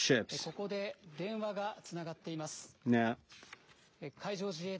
ここで電話がつながっています。